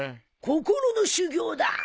心の修業だ。